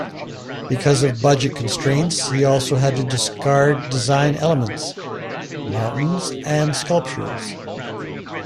Because of budget constraints, he also had to discard design elements: mountains and sculptures.